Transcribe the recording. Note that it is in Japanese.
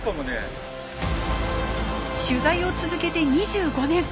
取材を続けて２５年。